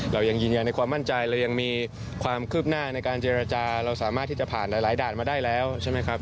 เรายังยืนยันในความมั่นใจเรายังมีความคืบหน้าในการเจรจาเราสามารถที่จะผ่านหลายด่านมาได้แล้วใช่ไหมครับ